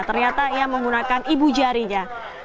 ternyata ia menggunakan ibu jarinya